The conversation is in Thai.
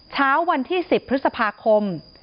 เช้าวันที่๑๐พฤษภาคม